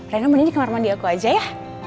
rena mending di kamar mandi aku aja ya